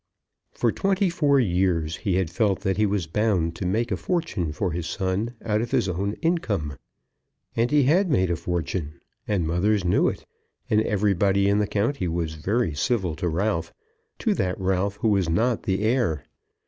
For twenty four years he had felt that he was bound to make a fortune for his son out of his own income. And he had made a fortune, and mothers knew it, and everybody in the county was very civil to Ralph, to that Ralph who was not the heir.